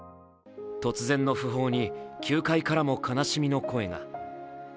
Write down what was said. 突然の訃報に、球界からも悲しみの声が。